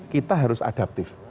kita harus adaptif